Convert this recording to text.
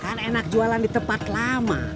kan enak jualan di tempat lama